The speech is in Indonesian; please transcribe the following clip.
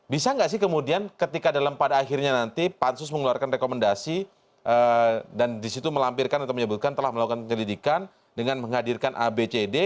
bisa nggak sih kemudian ketika dalam pada akhirnya nanti pansus mengeluarkan rekomendasi dan disitu melampirkan atau menyebutkan telah melakukan penyelidikan dengan menghadirkan abcd